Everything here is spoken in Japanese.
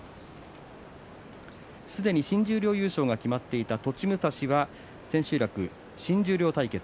すでに新十両優勝が決まっていた栃武蔵は千秋楽、新十両対決。